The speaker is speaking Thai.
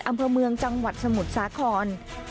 อำเภอเมืองจังหวัดสมุทรสาคร